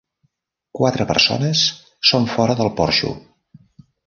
Quatre persones són fora del porxo